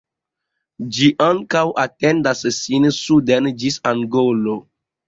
Ĝi ankaŭ etendas sin suden ĝis Angolo.